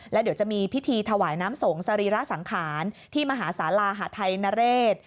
และเดี๋ยวจะมีพิธีถวายน้ำสงฆ์สรีระสังขารที่มหาศาลาหาทัยนเรศ